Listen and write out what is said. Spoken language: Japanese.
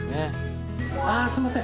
ああすいません！